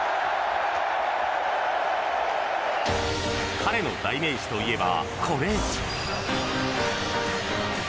彼の代名詞といえば、これ。